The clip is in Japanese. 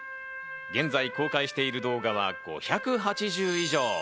現在公開している動画は５８０以上。